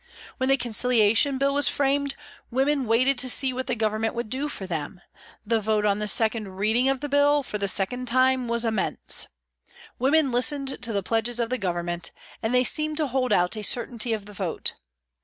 When the Conciliation Bill was framed, women waited to see what the Government would do for them ; the vote on the second reading HOLLOWAY REVISITED 337 of the Bill, for the second time, was immense. Women listened to the pledges of the Government and they seemed to hold out a certainty of the vote.